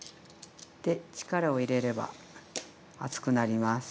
で力を入れれば厚くなります。